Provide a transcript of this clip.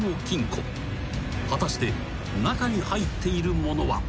［果たして中に入っているものは］